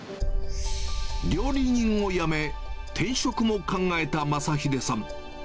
料理人をやめ、転職も考えた将英さん。